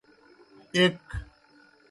ایْک۔